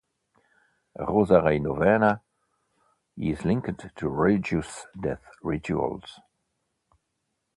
Rosary Novena is linked to religious death rituals.